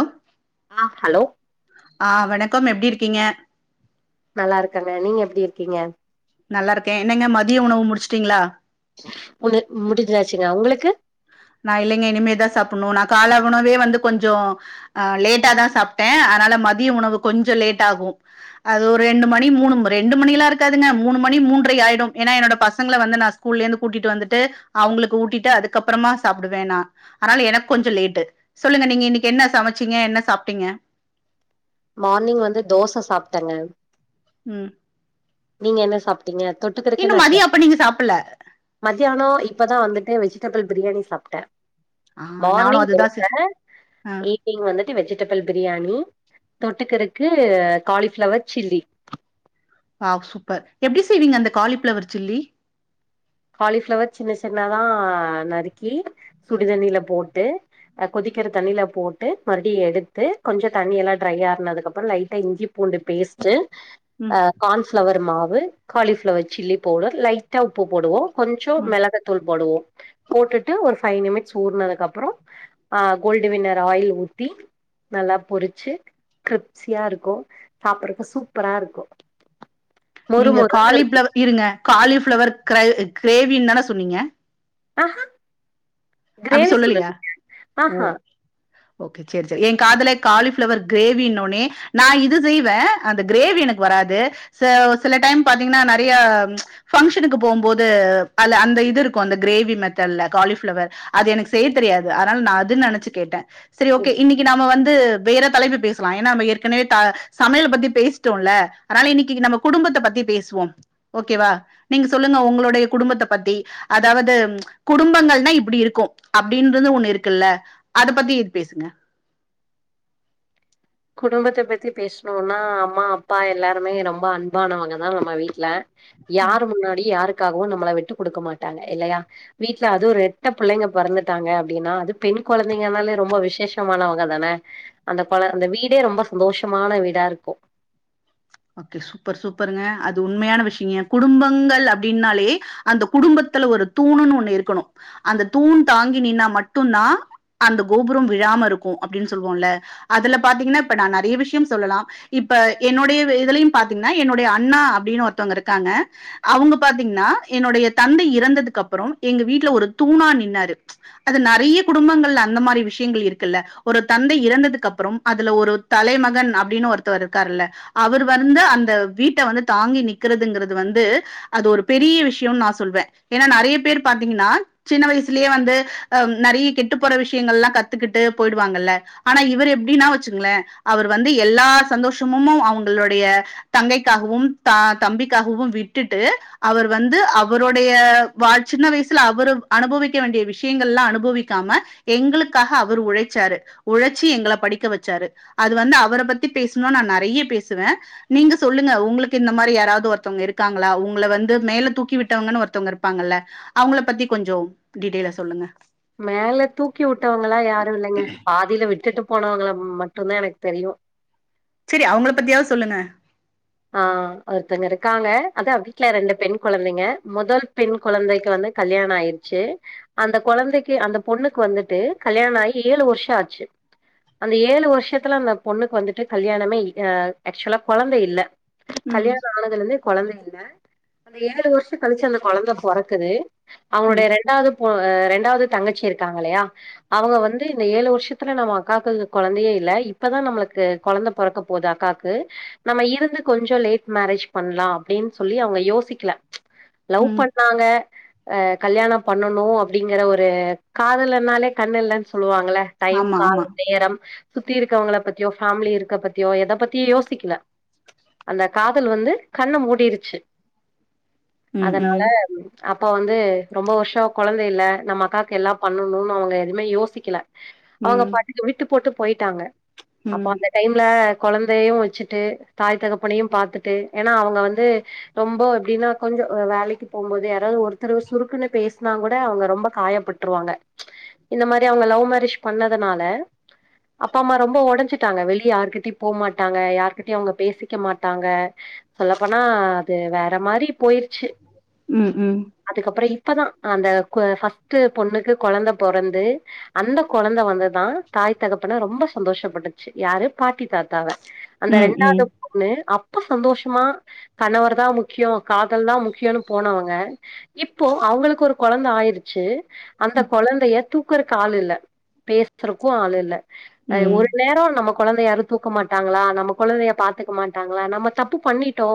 ஹ் ஆ ஆ ஹலோ க்கம் எப்பிடி இருக்கீங்க நல்லா இருக்கங்க நீங்க எப்பிடி இருக்கீங்க நல்லா இருக்கே என்னங்க மதிய உணவு முடிச்சிட்டீங்களா முடு முடிஞ்சாச்சுங்க உங்களுக்கு நா இல்லிங்க இனிமேதா சாப்புணு நா கால உணவே வந்து கொஞ்சோ ஆ லேட்டாதா சாப்பிட்டே அனால மதிய உணவு கொஞ்சோ லேட் ஆகு அது ஒரு ரெண்டு மணி மூணு ரெண்டு மணில்லா இருக்காதுங்க மூணு மணி மூன்ற ஆயிடு ஏனா என்னோட பசங்கள வந்து நா ஸ்கூல்ல இருந்து கூட்டிட்டு வந்துட்டு அவங்களுக்கு ஊட்டிட்டு அதுக் கப்றமா சாப்டுவே நா அனால எனக் கொஞ்ச லேட்டு சொல்லுங்க நீங்க இன்னைக்கு என்ன சமச்சீங்க? என்ன சாப்டீங்க? மார்னிங் வந்து தோச சாப்ட்டங்க ம் நீங்க என்ன சாப் டிங்க தொட்டுக்கறக்கு இன்னு என்னாச்ச மதிய அப்ப நீங்க சாப்புட்ல மத்தியானோ இ ப்பதா வந்துட்டு வெஜிடபிள் பிரியாணி சாப்டே ஆ நானு மார்னிங் அதுதா செ தோச ஆ ஈவ்னிங் வந்து வெஜிடபுள் பிரியாணி தொட்டுக்கறக்கு காலிஃப்ளவர் சில்லி ஆ சூப்பர் எப்டி செய்வீங்க அந்த காலி ப்ளவர் சில்லி காலிஃப்ளவர் சின்ன சின்னதா நறுக்கி சுடு தண்ணில போட்டு அ கொதிக்கிற தண்ணில போட்டு மறுப்டி எடுத்து கொஞ்ச தண்ணியல்லா ட்ரை ஆறுனதுக்கப்புற லைட்டா இஞ்சி பூண்டு பேஸ்ட்டு ம் அ கான்ஃப்ளவர் மா வு காலிஃப்ளவர் சில்லி பவுடர் லைட்டா உப்பு போடுவோ கொஞ்சொ ம் மெளக தூள் போடுவோ போட்டுட்டு ஒரு ஃபைவ் நிமிட்ஸ் ஊறுனதுக்கப்றொ அ கோல்டு வின்னர் ஆயில் ஊத்தி நல்லா பொரிச்சு கிரிப்ஸியா இருக்கு சாப்புறக்கு சூப்பரா இருக்கு மொறு நீங்க மொறுன்னு இருக்கு காலிப்ளவ இருங்க காலி ஃப்ளவர் கல் கிரேவின் தான சொன்னீங்க ஆஹா அப்டி கிரேவி சொல்லலையா சொல்லலிங்க ஓ ஆஹா ஓகே சேர் செரி எ காதுல காலிஃப்ளவர் கிரேவின்னோனே நா இது செய்வே அந்த கிரேவி எனக்கு வராது ச சில டைம் பாத்தீங்கனா நெறைய ஃபங்ஷனுக்கு போம்போது அல அந்த இது இருக்கு அந்த கிரேவி மெத்தட்ல காலிஃப்ளவர் அது எனக்கு செய்ய தெரியாது அதனால் நா அதுன் நெனச்சு கேட்டே செரி ஓகே இன்னைக்கு நாம வந் து வேற தலைப்பு பேசலா ஏனா நம்ம ஏற்கனவே த சமையல பத்தி பேசிட்டோல்ல அனால இன்னக்கி நம்ம குடும்பத்த பத்தி பேசுவோ ஓகேவா நீங்க சொல்லுங்க ஒங்ளுடைய குடும்பத்த பத்தி அதாவது குடும்பங்கள்னா இப்பிடி இருக்கு அப்டின்றனு ஒன்னு இருக்குல்ல அத பத்தி இது பேசுங்க குடும்பத்த பத்தி பேசுனுன்னா அம்மா அப்பா எல்லாோருமே ரொம்ப அன்பானவங்க தா நம்ம வீட்ல யாரு முன்னாடியு யாரு க்காகவு நம்மள விட்டு குடுக்க மாட்டாங்க இல்லயா வீட்ல அதுவு ரெட்ட புள்ளைங்க பொறந்துட்டாங்க அப்டின்னா அது பெண் கொழந்தைங்கனாலே ரொம்ப விசேஷமானவுங்க தானே அந்த கொழ அந்த வீடே ரொம்ப சந்தோஷமான வீடா இருக்கு ஓகே சூப்பர் சூப்பருங்க அது உண்மையான விஷ்யங்க குடும்பங்கள் அப்டின்னாலே அந்த குடும்பத்துல ஒரு தூணுன் ஒன்னு இருக்கனு அந்த தூண் தாங்கி நின்னா மட்டுந்தா அந்த கோபுரம் விழாம இருக்கு அப்டின் சொல்வோல்ல அதுல பாத்தீங்னா இப்ப நா நறைய விஷ்யம் சொல்லலா இப்ப என்னுடைய இதுலயும் பாத்தீங்னா என்னுடைய அண்ணா அப்டினு ஒருத்தவுங்க இருக்காங்க அவுங்க பாத்தீங்னா என்னுடைய தந்தை இறந்ததுக்கப்றம் எங்க வீட்ல ஒரு தூணா நின்னாரு அது நறைய குடும்பங்கள்ல அந்த மாரி விஷ்யங்கள் இருக்குல்ல ஒரு தந்தை இறந்ததுக்கப்றம் அதுல ஒரு தலைமகன் அப்டின்னு ஒருத்தவர் இருக்காருல்ல அவர் வந்து அந்த வீட்ட வந்து தாங்கி நிக்கிறதுங்குறது வந்து அது ஒரு பெரிய விஷ்யொன் நா சொல்வே ஏனா நறைய பேர் பாத்தீங்கன்னா சின்ன வயசுலேயே வந்து அ நெறைய கெட்டு போற விஷ்யங்கள்லா கத்துக்கிட்டு போயிடுவாங்கல்ல ஆனா இவர் எப்டின்னா வச்சுங்ளே அவர் வந்து எல்லா சந்தோஷமுமு அவுங் களுடைய தங்கைக்காகவும் தா தம்பிக்காகவும் விட்டுட்டு அவர் வந்து அவருடைய வா சின்ன வயசுல அவரு அனுபவிக்க வேண்டிய விஷயங்கள்லா அனுபவிக்காம எங்களுக்காக அவர் உழைச்சாரு உழச்சி எங்கள படிக்க வச்சாரு அது வந்து அவர பத்தி பேசுனா நா நறைய பே சுவே நீங்க சொல்லுங்க உங்களுக்கு இந்த மாரி யாராவ்து ஒருத்தவ்ங்க இருக்காங்களா உங்கள வந்து மேல தூக்கி விட்டவுங்கன் ஒருத்தவ்ங்க இருப்பாங்கல்ல அவுங்கள பத்தி கொஞ்சொ டீட்டெய்லா சொல்லுங்க மேல தூக்கி வுட்டவுங்களா யாரு இல்லங்க பாதில விட்டுட்டு போனவுங்கள மட்டுந்தா எனக்கு தெரியு சரி அவங்கள பத்தியாவது சொல்லுங்க ஆ ஒருத்தங்க இருக்காங்க அதா வீட்டுல ரெண்டு பெண் குழந்தைங்க முதல் பெண் குழந்தைக்கு வந்து கல்யாணப ஆயிருச்சு அந்த குழந்தைக்கு அந்த பொண்ணுக்கு வந்துட்டு கல்யாணோ ஆகி ஏழு வருஷோ ஆச்சு அந்த ஏழு வருஷத்துல அந்த பொண்ணுக்கு வந்துட்டு கல்யாணமே அ ஆக்சுலா குழந்த இல்ல ம் கல்யாண ஆனதுதலிருந்தே குழந்த இல்ல அந்த ஏழு வருஷ கழிச்சு அந்த குழந்த பொறக்குது அவனுடய ம் இரண்டாவது உ அ இரண்டாவது தங்கச்சி இருக்காங்க இல்லையா அவங்க வந்து இந்த ஏழு வருஷத்துல நம்ம அக்காக்கு குழந்தையே இல்ல இப்பதா நம்மளுக்கு குழந்த பெறக்க போது அக்காக்கு நம்ம இருந்து கொஞ்சோ லேட் மேரேஜ் பண்ணலா அப்டின்னு சொல்லி அவங்க யோசிக்கல லவ் ம் பண்ணாங்க அ கல்யாணோ பண்ணணு அப்டிங்கிற ஒரு காதல்ஆனாலே கண் இல்லன்னு சொல்லுவாங் ங்கள டைம் ஆமா கால் ஆமா நேரம் சுத்தி இருக்கவங்கள பத்தியோ ஃபேமிலி இருக்க பத்தியோ எத பத்தியு யோசிக்கல அந்த காதல் வந்து கண்ண மூடிருச்சு ம் அதனால ம் அப்ப வந்து ரொம்ப வருஷோ குழந்த இல்ல நம்ம அக்காவுக்கு எல்லா பண்ணணும்னு அவுங்க எதுமே யோசிக்கல அவுங்க ம் பாட்டுக்கு விட்டு போட்டு போய்ட்டாங்க அப்போ ம் ம் அந்த டைம்ல குழந்தையு வச்சுட்டு தாய் தகப்பனையு பாத்துட்டு ஏன்னா அவங்க வந்து ரொம்ப எப்டின்னா கொஞ்சோ வேலைக்கு போகும்போது யாராவது ஒருத்தர் சுருக்குன்னு பேசினா கூட அவுங்க ரொம்ப காயப்பட்ருவாங்க இந்த மாரி அவங்க லவ் மேரேஜ் பண்ணதுனால அப்பா அம்மா ரொம்ப உடைஞ்சட்டாங்க வெளியே யார்கிட்டயு போமாட்டாங்க யாருகிட்டயு அவுங்க பேசிக்க மாட்டாங்க சொல்லப்போனா அது வேற மாரி போயிருச்சு உ உ அப்பதா அந்த ஃபர்ஸ்ட்ட் பொண்ணுக்கு குழந்த பொறந்து அந்த குழந்த வந்துதா தாய் தகப்பன ரொம்ப சந்தோஷப்பட்டுச்சு யாரு பாட்டி தாத்தாவ அந்த ம் ம் ரெண்டாவது ன்னு அப்ப சந்தோஷமா கணவர் தா முக்கியோ காதல் தா முக்கியம்னு போனவங்க இப்போ அவங்களுக்கு ஒரு குழந்த ஆயிருச்சு அந்த குழந்தைய தூக்குறக்கு ஆள் இல்ல பேசுறக்கு ஆள் இல்ல அ ம் ஒரு நேரோ நமக் குழந்தையாரு தூக்க மாட்டாங்களா நம்ம குழந்தைய பாத்துட் மாட்டாங்களா நம்ம தப்பு பண்ணிட்டோ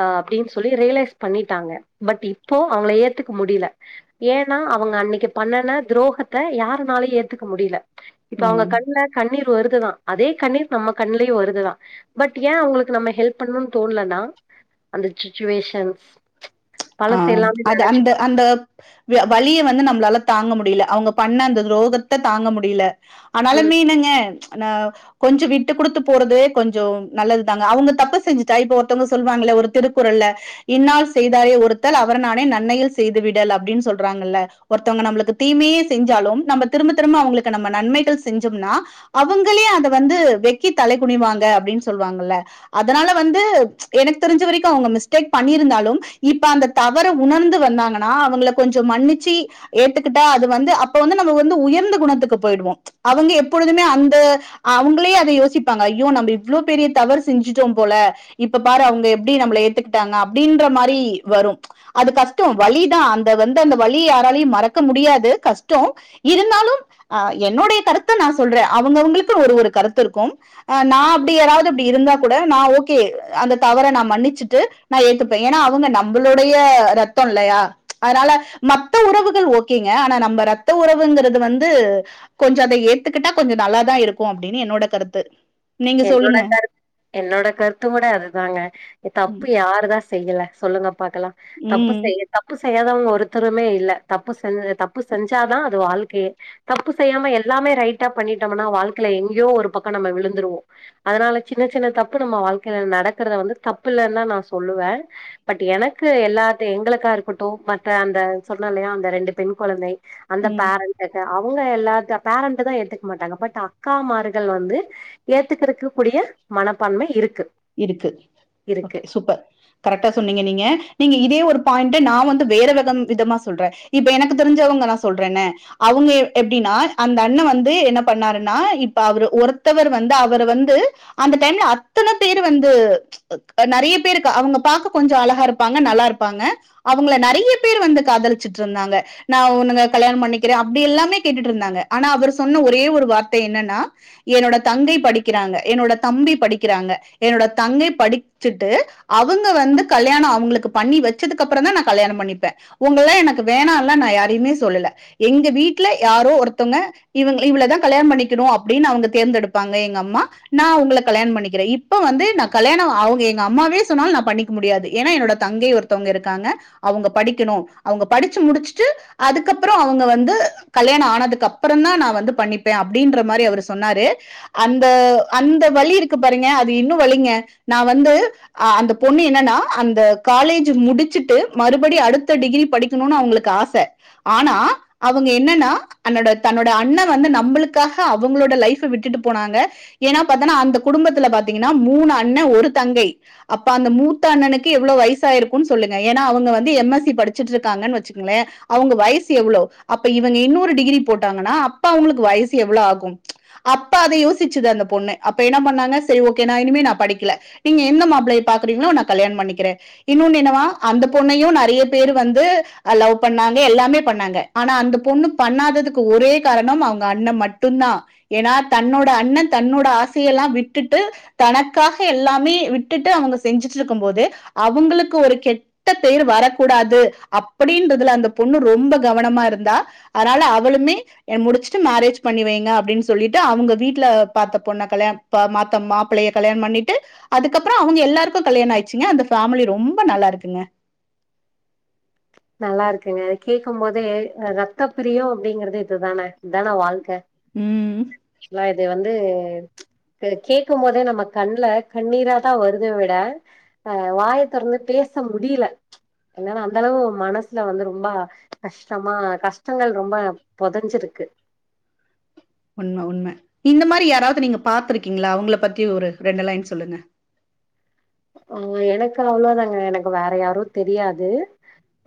அ அப்டின்னு சொல்லி ரியலைஸ் பண்ணிட்டாங்க பட் இப்போ அவங்கள ஏத்துக்க முடியல ஏன்னா அவங்க அன்னைக்கு பண்ணன துரோகத்த யாருனாலு ஏத்துக்க முடியல இப்ப ம் அவங்க கண்ல கண்ணீர் வருதுதா அதே கண்ணீர் நம்ம கண்லயு வருதுதா பட் ஏ உங்களுக்கு நம்ம ஹெல்ப் பண்ணணும்னு தோணலனா அந்த சுச்சுவேஷன்ஸ் பழச அம் எல்லாமே அது நெனச்சு அந்த பாக் அந்த து வலிய வந்து நம்மளால தாங்க முடியல அவுங்க பண்ண அந்த துரோகத்த தாங்க முடியல ம் அதனாலமே நீங்க நா கொஞ்சோ விட்டு குடுத்து போறது கொஞ்சோ நல்லதுதாங்க அவங்க தப்பு செஞ்சுட்டா இப்போ ஒருத்தவங்க சொல்வாங்க இல்ல ஒரு திருக்குறள்ல இன்னார் செய்தாரே ஒரு த்தல் அவர் நாண நன்னயல் செய்து விடல் அப்டின் சொல்றாங்கல்ல ஒருத்தவங்க நம்மளுக்கு தீமையே செஞ்சாலும் நம்ம திரும்ப திரும்ப அவுங்களுக்கு நம்ம நன்மைகள் செஞ்சோம்னா அவங்களே அத வந்து வெக்கி தலை குனிவாங்க அப்டின்னு சொல்வாங்கல்ல அதனால வந்து எனக்கு தெரிஞ்ச வரைக்கு அவுங்க மிஸ்டேக் பண்ணிருந்தாலு இப்ப அந்த தவற உணர்ந்து வந்தாங்கன்னா அவங்கள கொஞ்ச மன்னிச்சி ஏத்துக்கிட்டா அது வந்து அப்ப வந்து நம்ம வந்து உயர்ந்த குணத்துக்கு போயிடுவோ அவங்க எப்பொழுதுமே அந்த அவுங்களே அத யோசிப்பாங்க ஐயோ நம்ம இவ்ளோ பெரிய தவறு செஞ்சுட்டோ போல இப்ப பாரு அவங்க எப்டி நம்மள ஏத்துக்கிட்டாங்க அப்டின்ற மாரி வரு அது கஷ்டோ வலிதா அந்த வந்து அந்த வலிய யாராலயு மறக்க முடியாது கஷ்டோ இருந்தாலு ஆ என்னுடைய கருத்த நா சொல்றே அவங்கவங்களுக்கு ஒரு ஒரு கருத்து இருக்கும் ஆ நா அப்டி யாராவது அப்டி இருந்தா கூட நா ஓகே அந்த தவற நா மன்னிச்சுட்டு நா ஏத்துப்பே ஏன்னா அவுங்க நம்பு ளுடைய ரத்தம் இல்லையா அதனால மத்த உறவுகள் ஓகேங்க ஆனா நம்ம ரத்த உறவுங்கிறது வந்து கொஞ்ச அத ஏத்துக்கிட்டா கொஞ்ச நல்லாதா இருக்கு அப்டின்னு என்னோட கருத்து நீங்க என்னோட சொல்லுங்க கருத் என்னோட கருத்து கூட அதுதாங்க தப்பு ம் யாருதா செய்யல சொல்லுங்க பாக்கலா தப்பு ம் செய்ய தப்பு செய்யாதவங்க ஒருத்தருமே இல்ல தப்பு செஞ் தப்பு செஞ்சாதா அது வாழ்க்கையை தப்பு செய்யாம எல்லாமே ரைட்டா பண்ணிட்டோம்னா வாழ்க்கையில எங்கேயோ ஒரு பக்கோ நம்ம விழுந் துருவோ அதனால சின்ன சின்ன தப்பு நம்ம வாழ்க்கைல நடக்கறத வந்து தப்பில்லன்தா நா சொல்லுவே பட் எனக்கு எல்லாத்தயு எங்களுக்கா இருக்கட்டு மற்ற அந்த சொன்ன இல்லையா அந்த ரெண்டு பெண் கொழந்தை அந்த ம் பேரண்ட்டுக்கு அவ ங்க எல்லாத்த பேரண்ட்டதா ஏத்துக்க மாட்டாங்க பட் அக்காமார்கள் வந்து ஏத்துக்கிருக்கக் கூடிய மனப்பான்மை இரு இருக்கு ஓகே சூப்பர் கரெக்டா சொன்னீங்க நீங்க நீங்க இதே ஒரு பாயிண்ட் ட நா வந்து வேற விதம் விதமா சொல்றே இப்ப எனக்கு தெரிஞ்சவங்க நா சொல்றனே அவுங்க எப்டின்னா அந்த அண்ண வந்து என்ன பண்ணாருன்னா இப்ப அவரு ஒருத்தவரு வந்து அவர் வந்து அந்த டைம்ல அ பேரு வந்து அ நெறைய பேரு க அவுங்க பாக்க கொஞ்ச அழகா இருப்பாங்க நல்லா இருப்பாங்க அவுங்கள நெறைய பேர் வந்து காதலிச்சுட்ருந்தாங்க நா உனங்க கல்யாணோ பண்ணிக்கிறே அப்டி எல்லாமே கேட்டுட்டு இருந்தாங்க ஆனா அவர் சொன்ன ஒரே ஒரு வார்த்தை என்னன்னா என்னோட தங்கை படிக்கிறாங்க என்னோட தம்பி படிக்கிறாங்க என்னோட தங்கை படிச்சுட்டு அவுங்க வந்து கல்யாணோ அவுங்களுக்கு பண்ணி வச்சதுக்குப்பறம்தா நா கல்யாணோ பண்ணிப்பே உங்கள எனக்கு வேணால்லா நா யாரையுமே சொல்லல எங்க வீட்ல யாரோ ஒருத்தவங்க இவுங்க இவளதா கல்யாணோ பண்ணிக்கணு அப்டின்னு அவுங்க தேர்ந்தெடுப்பாங்க எங்க அம்மா நா உங்கள கல்யாணோ பண்ணிக்கிறே இ ப்ப வந்து நா கல்யாணோ அவுங்க எங்க அம்மாவே சொன்னாலு நா பண்ணிக்க முடியாது ஏன்னா என்னோட தங்கை ஒருத்தவங்க இருக்காங்க அவுங்க படிக்கணு அவுங்க படிச்சு முடிச்சுட்டு அதுக்கப்புற அவுங்க வந்து கல்யாணோ ஆனதுக்கு அப்பறம்தா நா வந்து பண்ணிப்பே அப்டின்ற மாரி அவரு சொன்னாரு அந்த அந்த வலி இருக்கு பாருங்க அ து இன்னு வலிங்க நா வந்து ஆ அந்த பொண்ணு என்னா அந்த காலேஜ் முடிச்சுட்டு மறுபடி அடுத்த டிகிரி படிக்கணுன்னு அவுங்களுக்கு ஆச ஆனா அவுங்க என்னன்னா தன்னோட தன்னோட அண்ண வந்து நம்பளுக்காக அவுங்களோட லைஃப விட்டுட்டு போனாங்க ஏன்னா பாத்தனா அந்த குடும்பத்தில பாத் தீங்கன்னா மூணு அண்ண ஒரு தங்கை அப்ப அந்த மூத்த அண்ணனுக்கு எவ்ளோ வயசு ஆயிருக்குன்னு சொல்லுங்க ஏன்னா அவுங்க வந்து எம் எஸ் சி படிச்சிட்டுருக்காங்கன்னு வச்சுக்கங்களே அவுங்க வயசு எவ்ளோ அப்ப இவங்க இன்னொரு டிகிரி போட்டோங்கன்னா அப்ப அவுங்களுக்கு வயசு எவ்ளோ ஆகு அப்ப அத யோசிச்சது அந்த பொண்ணு அப்ப என்ன பண்ணாங்க சேரி ஓகே நா இனிமே நா படிக்கல நீங்க எந்த மாப்ளய பாக்குறீங்களோ நா கல்யாணோ பண்ணிக்கிறே இன்னொன்னு என்னவா அந்த பொண்ணையு நெறைய பேர் வந்து ஆ லவ் பண்ணாங்க எல்லாமே பண்ணாங்க ஆனா அந்த பொண்ணு பண்ணாததுக்கு ஒரே காரணம் அவுங்க அண்ண மட்டுந்தா ஏன்னா தன்னோட அண்ணன் தன்னோட ஆசையெல்லா விட் விட்டுட்டு தனக்காக எல்லாமே விட்டுட்டு அவுங்க செஞ்சுட்ருக்கும் போது அவுங்களுக்கு ஒரு கெட்ட பேரு வரக்கூடாது அப்படின்றதுல அந்த பொண்ணு ரொம்ப கவனமா இருந்தா அதனால அவளுமே அ முடிச்சுட்டு மேரேஜ் பண்ணி வைங்க அப்டின்னு சொல்லிட்டு அவங்க வீட்ல பாத்த பொண்ண கல்யாணோ பா மாத்த மாப்பளைய கல்யாணம் பண்ணிட்டு அதுக்கப்பறோ அவுங்க எல்லாருக்கு கல்யாணோ ஆயிடுச்சுங்க அந்த ஃபேமிலி ரொம்ப நல்லா இருக்குங்க. நல்லா இருக்குங்க கேக்கும் போதே ஆ ரத்தப் பிரியோ அப்டிங்கிறது இதுதான இதான வாழ்க்க ம் இது வந்து கே கேக்கும் போதே நம்ம கண்ல கண்ணீராதா வருதே விட ஆ வாய தெறந்து பேச முடியல என்னன்னா அந்த அளவு மனசுல வந்து ரொம்ப கஷ்டமா கஷ்டங்கள் ரொம்ப பொதஞ்சிருக்கு உண்ம உண்ம இந்த மாரி யாராவது நீங்க பாத்துருக்கீங்களா அவுங்கள பத்தி ஒரு ரெண்டு லைன் சொல்லுங்க அங்க எனக்கு அவ்ளோதாங்க எனக்கு வேற யாரு தெரியாது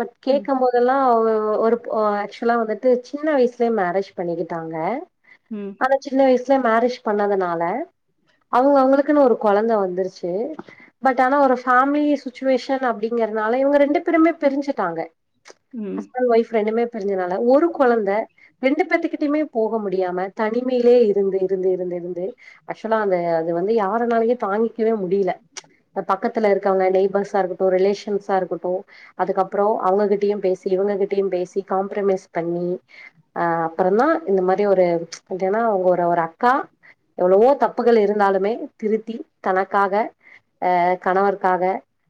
பட் ம் கேக்கும் போதெல்லா ஒ ஒரு ஆ ஆக்சுவலா வந்துட்டு சின்ன வயசுலயே மேரேஜ் பண்ணிக்கிட்டாங்க ம் அந்த சின்ன வயசு ல மேரேஜ் பண்ணதுனால அவுங்க அவங்களுக்குன்னு ஒரு கொழந்தை வந்துருச்சு பட் ஆனா ஒரு ஃபேமிலி சுச்சுவேஷன் அப்டிங்கறனால இவங்க ரெண்டு பேருமே பிரிஞ்சுட்டாங்க ம் ஹஸ்பண்ட் ஒய்ப் ரெண்டுமே பிரிஞ்சதனால ஒரு கொலந்த ரெண்டு பேத்துக்கிட்டயுமே போக முடியாம தனிமையிலயே இருந்து-இருந்து-இருந்து-இருந்து ஆக்சுவலா அந்த அது வந்து யாரனாலயே தாங்கிக்கவே முடியல பக்கத்துல இருக்கவங்க நெய்பர்ஸா இருக்கட்டு ரிலேஷன்ஸா இருக்கட்டு அதுக்கப்றோ அவுங்ககிட்டயு பேசி இவுங்ககிட்டயு பேசி காம்ப்ரமைஸ் பண்ணி ஆ அப்பறந்தா இந்த மாதிரி ஒரு என்னா ஒரு-ஒரு அக்கா எவ்வளவோ தப்புகள் இருந்தாலுமே திருத்தி தனக்காக ஆ கணவர்க்காக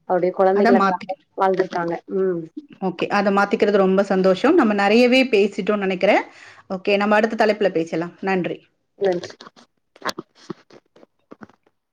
அவரோட அத மாத்திக் கொலந்தைகளுக்காக வாழ்ந்துருக்காங்க உம் ஓகே அத மாத்திக்கிறது ரொம்ப சந்தோஷம் நம்ம நெறயவே பேசிட்டோனு நெனக்குறே ஓகே நம்ம அடுத்த தலைப்பல பேசலா நன்றி நன்றி